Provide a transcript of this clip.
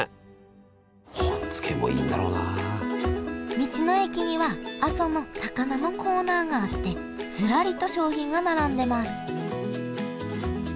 道の駅には阿蘇の高菜のコーナーがあってずらりと商品が並んでます